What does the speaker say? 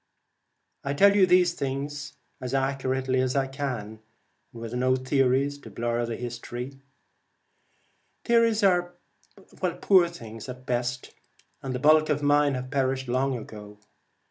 I tell these things as accurately as I can, and with no theories to blur the history. Theories are poor things at the best, and the bulk of mine have perished long ago.